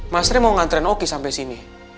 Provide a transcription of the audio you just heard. mas rey mau ngantarin oki sampai sini